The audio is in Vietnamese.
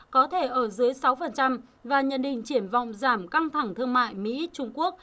có thể ở dưới sáu và nhận định triển vọng giảm căng thẳng thương mại mỹ trung quốc